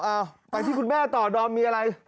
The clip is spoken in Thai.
เอาไปที่คุณแม่ต่อดอมมีอะไร